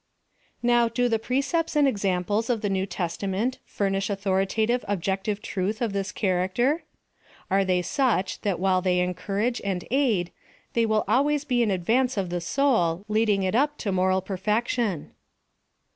Now, do the precepts and examples of the New Testament furnish authoritative objective truth of this character ? Are they such, that while they encourage and aid, they will always be in advance of the soul, leading it up to moral perfection